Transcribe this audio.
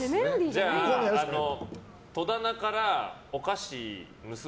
じゃあ、戸棚からお菓子盗